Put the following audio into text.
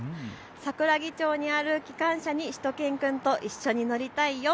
桜木町にある機関車にしゅと犬くんと一緒に乗りたいよ。